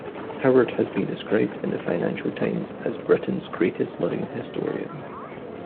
Howard has been described in the "Financial Times" as "Britain's greatest living historian".